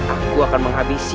aku akan menghabisi